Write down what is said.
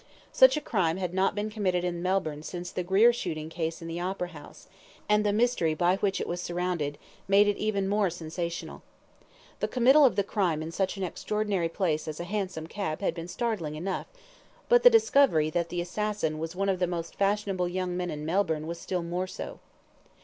Such a crime had not been committed in Melbourne since the Greer shooting case in the Opera House, and the mystery by which it was surrounded, made it even more sensational. The committal of the crime in such an extraordinary place as a hansom cab had been startling enough, but the discovery that the assassin was one of the most fashionable young men in Melbourne was still more so.